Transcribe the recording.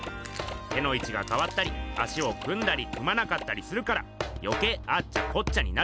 手のいちがかわったり足を組んだり組まなかったりするからよけいアッチャコッチャになる。